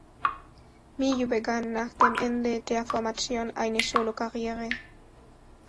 Miyu begann nach dem Ende der Formation eine Solokarriere.